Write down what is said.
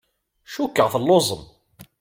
Cukkeɣ telluẓemt.